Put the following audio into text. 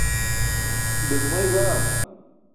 be gumay baa?